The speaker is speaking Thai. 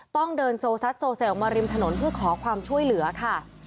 ต้องเดินโซซัดโซเซลมาริมถนนเพื่อขอความช่วยเหลือค่ะ